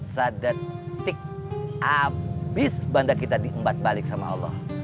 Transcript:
sedetik abis benda kita diembat balik sama allah